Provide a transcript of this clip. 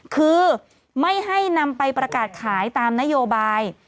คือไม่ให้นำไปประกาศขายตามนโยบาย